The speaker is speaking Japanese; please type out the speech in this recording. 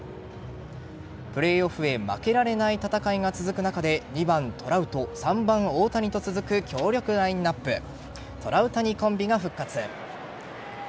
プレーオフへ負けられない戦いが続く中で２番・トラウト３番・大谷と続く強力ラインアップトラウタニコンビが復活です。